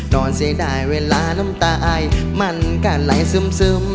เสียดายเวลาน้ำตาอายมันก็ไหลซึม